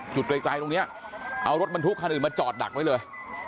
ไกลตรงนี้เอารถบรรทุกคันอื่นมาจอดดักไว้เลย